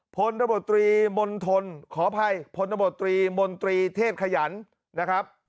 พลตบตรีมณฑลขออภัยพลตบตรีมนตรีเทพขยันนะครับ